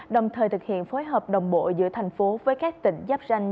đồng thời thực hiện phối hợp đồng bộ giữa thành phố với các tỉnh giáp ranh